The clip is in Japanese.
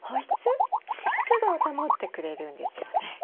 湿度を保ってくれるんですよね。